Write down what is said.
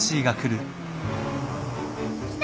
来た！